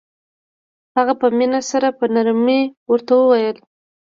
هغه په مينه سره په نرمۍ ورته وويل.